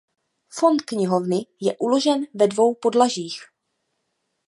Fond knihovny je uložen ve dvou podlažích.